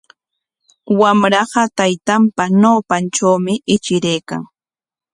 Wamraqa taytanpa ñawpantrawmi ichiraykan.